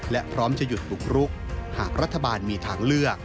และพร้อมจะหยุดบุกรุกหากรัฐบาลมีทางเลือก